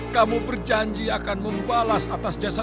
kamu berjanji akan membalas atas jasa jasa kami